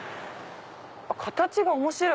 形が面白い！